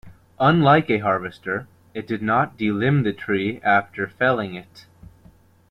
Unlike a harvester, it did not delimb the tree after felling it.